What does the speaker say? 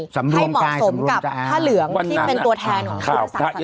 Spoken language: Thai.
สำรวมกายสำรวมตราย